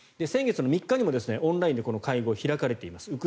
先月の３日にもオンラインでこの会合は開かれています。